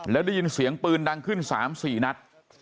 แล้วได้ยินเสียงปืนดังขึ้น๓๔นัด